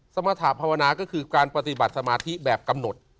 สมรรถาภาวนาก็คือการปฏิบัติสมาธิแบบกำหนด